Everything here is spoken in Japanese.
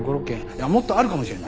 いやもっとあるかもしれない。